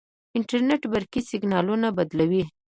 انټرنیټ برقي سیګنالونه بدلوي.